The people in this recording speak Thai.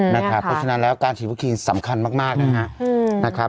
เพราะฉะนั้นแล้วการฉีดวัคซีนสำคัญมากนะครับ